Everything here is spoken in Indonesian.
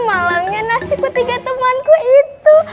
malangnya nasib ketiga temanku itu